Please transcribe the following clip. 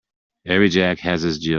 Every Jack has his Jill.